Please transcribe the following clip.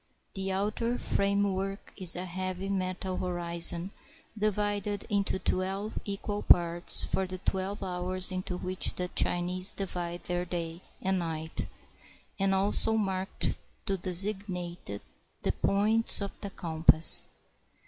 The outer frame work is a heavy metal horizon, divided into twelve equal parts for the twelve hours into which the Chinese divide their day and night, and also marked to designate the points of the compass.